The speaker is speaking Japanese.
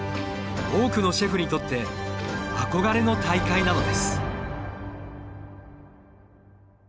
多くのシェフにとって憧れの大会なのです。